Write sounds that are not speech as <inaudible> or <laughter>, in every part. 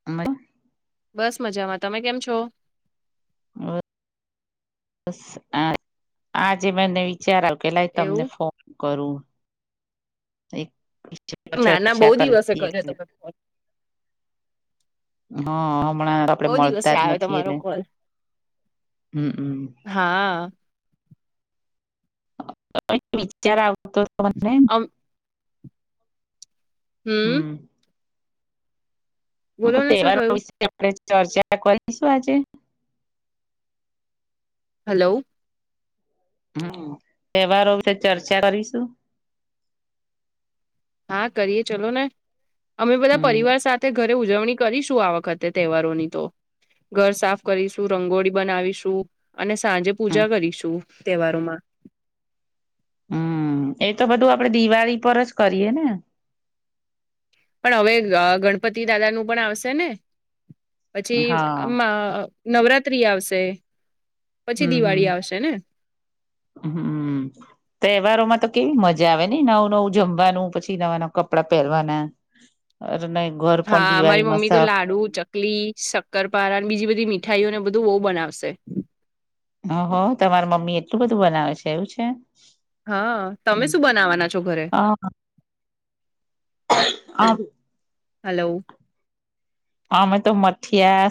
<inaudible> બસ મજામાં, તમે કેમ છો? બ બસ આ આજે બનાઈ ચ્યાર આવ કે લાય તમને એવું. ફોન કરું. છ અરછા ના ના બહુ અરછા દિવસે કરીએ કર્યો એટલે- તમે ફોન હા હમણાં આપડે બહુ દિવસે મળતા જ આવ્યો નથી તમારો એટલે કોલ હમ્મ અમ. હા. કંઈક વિચાર આવતો મને. અમ હમ. બોલો ને શું તહેવારો થયું વિશે આપણે ચર્ચા કરીશું આજે? હલો. હમ. તહેવારો વિશે ચર્ચા કરીશું? હા કરીએ ચલોને, અમે હમ બધા પરિવાર સાથે ઘરે ઉજવણી કરીશું આ વખતે તહેવારોની તો ઘર સાફ કરીશું રંગોળી બનાવીશું. અને સાંજે હમ પૂજા કરીશું, તહેવારોમાં. હમ. એ તો બધું આપડે દિવાળી પર જ કરીએ ને? પણ હવે, ગણપતિ દાદાનું પણ આવશે ને પછી હા અમ નવરાત્રી આવશે. પછી દિવાળી હમ. આવશે ને તહેવારોમાં તો કેવી મજા આવે ને નવું નવું જમવાનું, પછી નવા નવા કપડાં પહેરવાના. <inaudible> અરે નાઈ ઘઢ. હા, મારી મમ્મી તો લાડુ ચ કલી, શક્કરપારણ બીજી બધી મીઠાઈઓને બધું બહુ બનાવશે. હહ, તમાર મમ્મી એટલું બધું બનાવે છે એવું છે? હા તમે શું બનાવવાના છો ઘરે હા. <unintelligible> હલો. અમે તો મઠિયા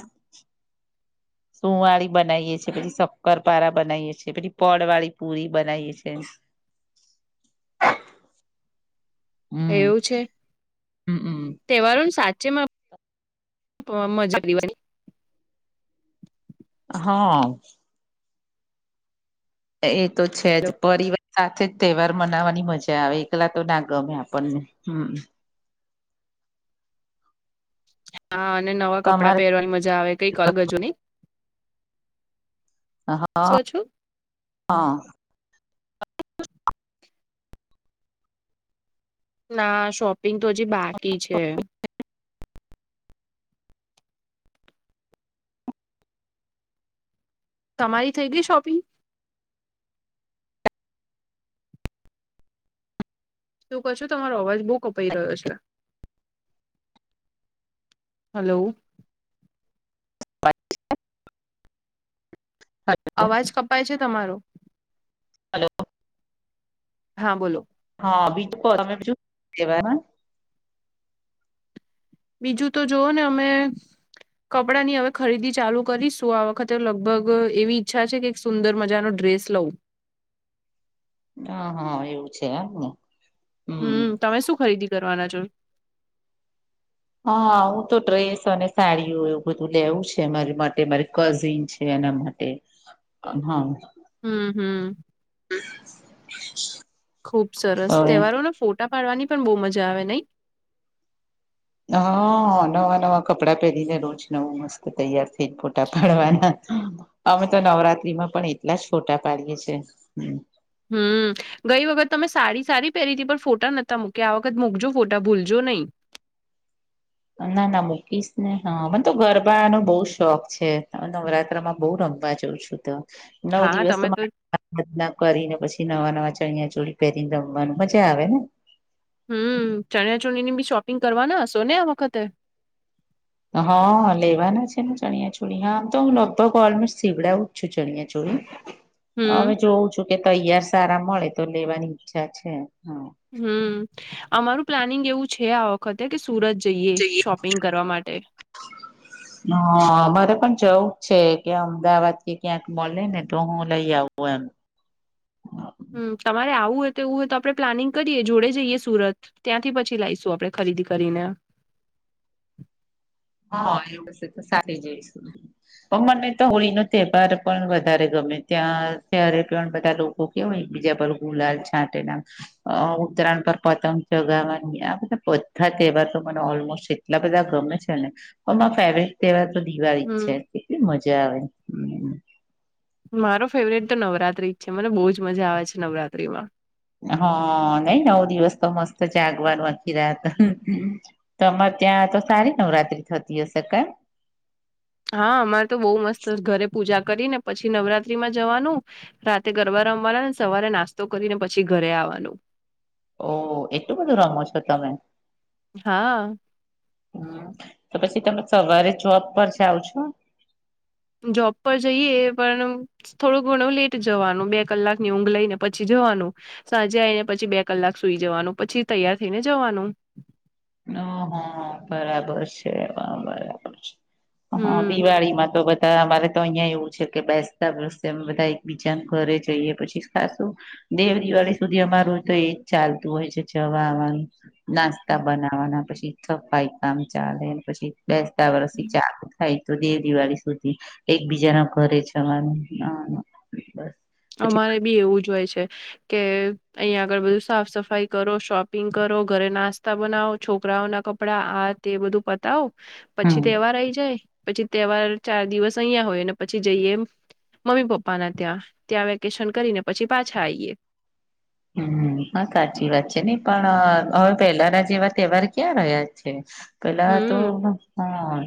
<inaudible> સુંવાળી બનાવીએ છીએ, પછી શક્કરપારા બનાવીએે છીએ, પછી પળ વાળી પુરી બનાવીએ છે. <inaudible> હમ એવું છે? હમમ તહેવાર સાચેમાં મ મજા દેવાય- હા. એ તો છે જ પરિવાર સાથે જ તહેવાર મનાવવાની મજા એકલા તો ના ગમે આપણને હમ હા, અને નવા કપડાં તમારે પહેરવાની મજા આવે કઈક હજુની. હા શું છો હા. ના, શોપિંગ તો હજી બાકી છે. તમારી થઈ ગઈ શોપિંગ? તું કરશો તમારો અવાજ બહુ કપાઈ રહ્યો છે. હલો. <unintelligible> અવાજ કપાય છે તમારો. હલો. હા, બોલો? હા, બીજું <unintelligible> બીજું તો જોવ ને અમે કપડાંની હવે ખરીદી ચાલુ કરીશું. આ વખતે લગભગ એવી ઈચ્છા છે કે સુંદર મજાનો ડ્રેસ લઉ. હા હા, એવું છે એમને? હમ. તમે શું ખરીદી કરવાના છો? હા, - હું તો ડ્રેસ અને સાડીઓ એવું બધું લેવું છે. મારી માટે મારી કઝિન છે એના માટે એ હા. હમ, હમ. હ <unintelligible> ખુબ સરસ, તહેવારોમાં ફોટા પાડવાની પણ બહુ મજા આવે, નઈ. હ, નવા નવા કપડાં પહેરીને રોજ નવું મસ્ત તૈયાર થઈન ફોટા પાડવાના. અમે તો નવરાત્રીમાં પણ એટલા જ ફોટા પાડીએ છીએ. હમ ગઈ વખત તમે સારી સારી પહેરી ત પણ ફોટા નતા મૂકી આ વખત મૂકજો ફોટા ભૂલજો નઈ. ના ના મૂકીશ ને હા મને તો ગરબાનો બહુ શોખ છે નવરાત્રમાં બહુ રમ જઉ છું તો નવ હા દિવસ તમે તો <unintelligible> રે બદના કરીને પછી નવા નવા ચણિયા ચોળી પહેરીને રમવાનું મજા આવે ને હમ, ચણિયાચોળી, ચોણી ની બી શોપિંગ કરવાના હશો ને આ વખતે. હા, લેવાના છે ને ચણિયા ચોળી, આમ, તો હું લગભગ ઓલમોસ્ટ સીવડાવું જ છું ચણિયા ચોળી. <unintelligible> હવે જોઉં છું કે, તૈયાર સારા મળે તો લેવાની ઈચ્છા છે, હા. હમ, અમારું પ્લાનિંગ એવું છે આ ખતે કે, સુરત જઈએ શોપિંગ કરવા માટે. હ, મારે પણ જવું જ છે કે અમદાવાદ થી ક્યાંક મળે ને, તો હું લઇ આવું. ઓ એમ. હમ, તમારે આવું હોય તો એવું હોય તો, આપણે પ્લાનિંગ કરીએ જોડે જઈએ સુરત. ત્યાંથી પછી લાવશું, આપણે ખરીદી કરીને. હ, એવડું છે તો, સાથે જઈશું. પણ, મને તો હોળી નો તહેવાર પણ વધારે ગમે, ત્યાં ત્યારે પણ બધા. કેવાય, બીજા પર ગુલાલ છાંટે ને અ ઉત્તરાયણ પર પતંગ ચગાવવાની, આ બધા બધા તહેવાર એવા તો મને ઓલમોસ્ટ એટલા બધા ગમે છે ને. હ, ફેવરેટ તહેવાર તો દિવાળી જ હમ છે, કેટલી મજા આવે. મારો ફેવરેટ તો નવરાત્રી જ છે, મને બહુજ મજા આવે છે નવરાત્રિ માં. હા, નહીં, નવ દિવસ તો મસ્ત જાગવાનું આખી રાત. તો અરે, ત્યાં તો સારી નવરાત્રી થતી હશે કેમ? હા, અમારે તો બહુ મસ્ત, ઘરે પૂજા કરી ને પછી નવરાત્રીમાં જવાનું. રાત્રે ગરબા રમવાના ને, સવારે નાસ્તો કરીને પછી ઘરે આવવાનું. ઓહ, એટલું બધું રમો છો તમે? હા હમ, તો પછી તમે સવારે જોબ પર જાઓ છો? જોબ પર જઈએ, પણ થોડું ઘણું લેટ જવાનું, બે કલાક ની ઊંઘ લઈને, પછી જવાનું. સાંજે આવીને, પછી બે કલાક સુઈ જવાનું, પછી તૈયાર થઈ ને જવાનું. હ, હા, બરાબર છે. બરાબર છે. હા. હમ દિવાળી માં તો બધા અમારે તો અહિયાં એવું છે કે, બેસતા બેસતા બધા એકબીજા ઘરે જઈએ પછી ખાસું દેવ દિવાળી સુધી અમારું તો એજ ચાલતું હોય છે, જવા આવવાનું. નાસ્તા બનાવાના પછી ફાઈ કામ ચાલે, પછી બેસતા વર્ષથી હમ ચા થાય તો દેવ દિવાળી સુધી એકબીજા ના ઘરે છે અમારે બસ પછી અમારે બી એવું જ હોય છે. કે અહીંયા આગળ બધું સાફ સફાઈ કરો, શોપિંગ કરો, ઘરે નાસ્તા બનાવો, છોકરાઓના કપડાં કપડા આ તે બધું પતાવી, હમ પછી તે એવા રહી જાય. પછી તહેવાર ચાર દિવસ અહં હોય, અને પછી જઈએ મમ્મી-પપ્પાના ત્યાં ત્યાં વેકેશન કરીને, પછી પાછા આઈએ. હમ, હા સાચી વાત છે નઈ, પણ હવે પહેલાના જે એવા તહેવાર ક્યાં રહ્યા છે. પેલા તો હમ હા.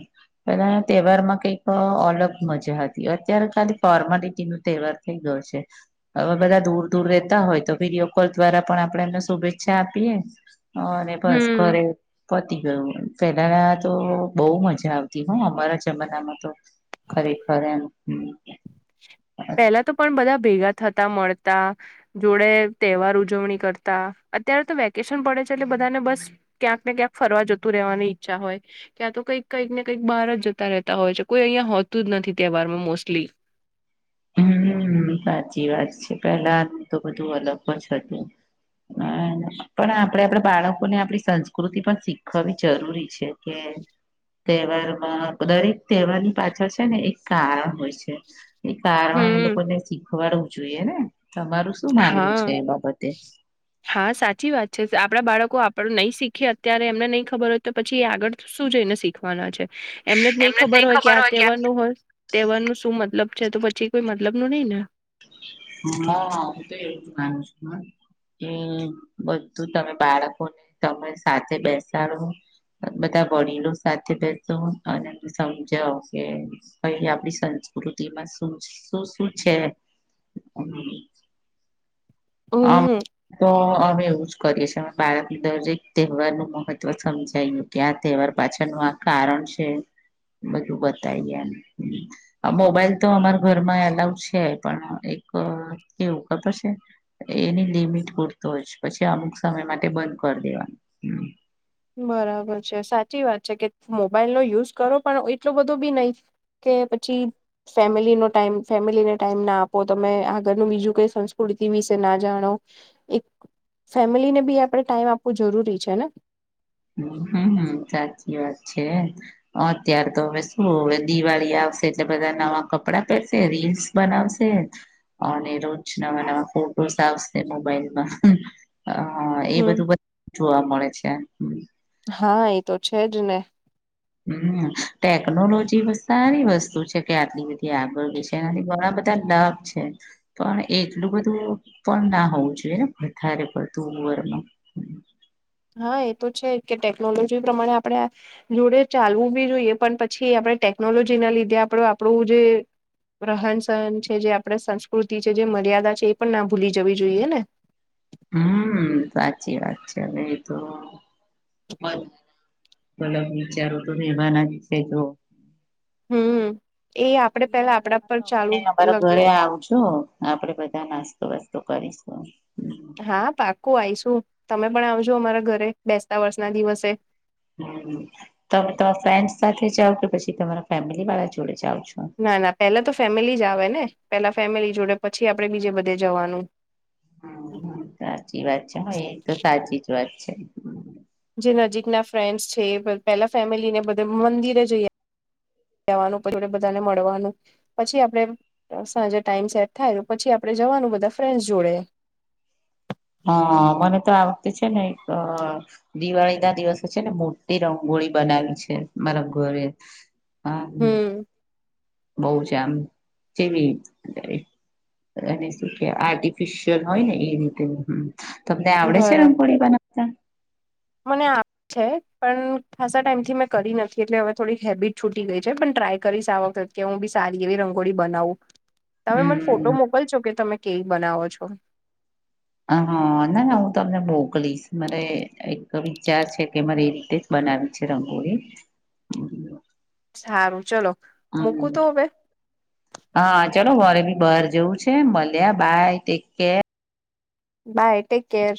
પેલા તહેવાર માં કઈક અલગ મજા હતી, અત્યારે ખાલી ફોર્માલિટી નો તહેવાર થઈ ગયો છે, હવે બધા દૂર દૂર રહેતા હોય તો વિડીયો કોલ દ્વારા પણ આપણેે એમને શુભેચ્છા આપીએ, અને બસ હમ ઘરે પતી ગયો, પેલા તો બહુ મજા આવતી, હું અમારા જમાનામાં તો ખરેખર એમ હમ્મ પેલા તો પણ બધા ભેગા થતા મળતા જોડે તહેવાર ઉજવણી કરતા, અત્યારે તો વેકેશન પડે છે એટલે બધાને બસ ક્યાંક ને ક્યાંક ફરવા જતું રહેવાની ઈચ્છા હોય. ક્યાં તો કંઈક કઈક ને કંઈક બાર જતા રહેતા હોય છે, કોઈ અહિયાયા હોતું જ નથી તહેવારમાં મોસ્ટલી હમ, સાચી વાત છે, પેલા તો બધું અલગ જ હતું. હ પણ આપડે આપડ બાળકોને આપણી સંસ્કૃતિ પણ શીખવી જરૂરી છે કે તહેવારમાં દરેક તહેવારની પાછળ છે ને એક કારણ હોય છે એ કારણ એ લોકો હમ ને શીખવાડવું જોઈએ ને તમારું શું હા માનવું છે એ બાબતે? હા સાચી વાત છે આપડા બાળકો આપ નહી શીખેએ અત્યારે એમને નહી ખબર હોય તો પછી એ આગળ શું જઈને શીખે શખવાના છે એમને જ નહી ખબર હોય કે આ તહેવાર ન હોય તહેવાર ન શું મતલબ છે તો પછી કોઈ મતલબ ન નહી ને <unintelligible> હમ્મ બધું તમે બાળકોને તમે સાથે બેસાડો બધા બોડીલો સાથે બેસો અને સમજાવ કે ભ આપણી સંસ્કૃતિમાં શું શું શું છે હમ્મ આમ હમ તો અમે એવું જ કરીએ છીએ અમે બાળકની દરક તહેવાર નું મહત્વ સમજાયું ક્યા તહેવાર પાછળનું આ કારણ છે બધું બતાવીઈ દેવાનું મોબાઈલ તો અમારા ઘરમાં એલાઉડ છે પણ એક એવું ખબર છે એની લિમિટ પૂરતો હો જ પછી અમુક સમય માટે બંધ કરી દેવાનું બરાબર છે સાચી વાત છે કે મોબાઈલ નો યુઝ કરો પણ એટલો બધો બી નહી કે પછી ફેમિલીનો ટાઈમ ફેમિલીને ટાઈમ ના આપો તમે આગળનું બીજું કઈ સંસ્કૃતિ વિશે ના જાણો એક ફેમિલીને બી આપણે ટાઈમ આપવું જરૂરી છેને હમ્મ હમ્મ સાચી વાત છે અત્યાર તો હવે શું હવે દિવાળી આવશે એટલે બધા નવા કપડાં પહેરશે રીલ્સ બનાવશે અને રોજ નવા નવા ફોટોઝ આવશે મોબાઈલમાં હ એ હમ બધું બધ જોવા મળે છે હા એ તો છે જ ને હમ્મ ટેકનોલોજી સારી વસ્તુ છે કે આટલી બધી આગળ છે એનાથી ઘણા બધા લ છેં પણ એટલું બધું પણ ના હોવું જોઈએ ને વધારે પડતું ઉવરમાં હા એ તો છે કે ટેકનોલોજી પ્રમાણે આપણેે જોડે ચાલવું બી જોઈએ પણ પછી આપણે ટેકનોલોજી ના લીધે આપડું આપણું જે રન સહન છે જે આપણે સંસ્કૃતિ છે જે મર્યાદા છે એ પણ ના ભૂલી જવી જોઈએ ને હમ્મ સાચી વાત છે હવે એ તો મ બલ વિચારો તો <unintelligible> હમ્મ દિવાળી અમારા લગ ઘરે આવ જો આપડે બધા નાસ્તો વાસ્તો કરીશું હમ હા પાકુ આવીઈશું તમે પણ આવજો અમારા ઘરે બેસતા વર્ષ ના દિવસે હમ્મ તમે તમારા ફ્રેન્ડ્સ સાથે જાઓ કે પછી તમારા ફેમિલી વાળા જોડે જાઓ છો ના ના પેલા તો ફેમિલી જ આવે ને પેલા ફેમિલી જોડે પછી આપડે બીજે બધે જવાનું હ સાચી વાત છે હ એ તો સાચી જ વાત છે જે નજીક ના ફ્રેન્ડ્સ છે પેલા ફેમિલી ને બધે મંદિરે જઈએ કવાનું પછી બધાને મળવાનું પછી આપડે સાંજે ટાઈમ સેટ થાય તો પછી આપણેે જવાનું બધા ફ્રેન્ડસ જોડે હા મને તો આ વખતે છે ને એક દિવાળી ના દિવસો છે ને મોટી રંગોળી બનાવી છે મારા ઘરે હમ્મ બઉ છે આમ જેવી અને શું કેવા આર્ટિફિશયલ હોય ને એ રીતે તમને હમ્મ આવડે છે બરાબર રંગોળી બનાવ મને છે પણ ખાસા ટાઈમથી મેં કરી નથી એટલે હવે થોડી હેબિટ છૂટી ગઈ છે પણ ટ્રાય કરીશ આ વખતે કે હું બી સારી એવી રંગોળી બનાવું તમે મને ફોટો હમ મોકલશો કે તમે કેવી બનાવો છો હ હા ના ના હું તમને મોકલીશ મરે એક વિચાર છે કે મારે એ રીતે જ બનાવી છે રંગોળી <inaudible> સારું ચલો હમ મૂકું હ તો હવે હા ચાલો મારે ભી બહાર જવું છે મળ્યા bye take care bye take care